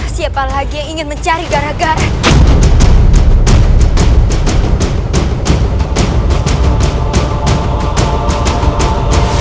siapa lagi yang ingin mencari gara gara